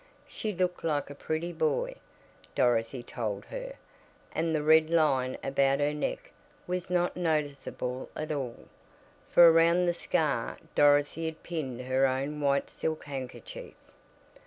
She looked like a pretty boy, Dorothy told her, and the red line about her neck was not noticeable at all, for around the scar Dorothy had pinned her own white silk handkerchief.